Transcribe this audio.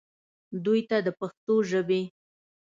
دوي ته د پښتو ژبې